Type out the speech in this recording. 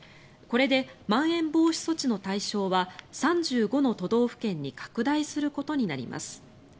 これでまん延防止措置の対象は３５の都道府県に拡大することになります。